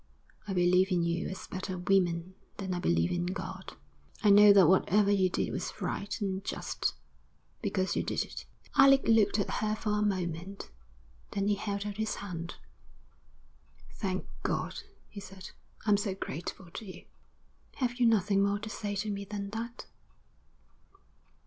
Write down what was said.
I believe in you as better women than I believe in God. I know that whatever you did was right and just because you did it.' Alec looked at her for a moment Then he held out his hand. 'Thank God,' he said. 'I'm so grateful to you.' 'Have you nothing more to say to me than that?'